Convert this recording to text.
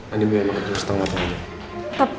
andi biar makan terus tengah matang aja